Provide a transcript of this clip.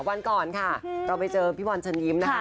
วันก่อนค่ะเราไปเจอพี่บอลเชิญยิ้มนะคะ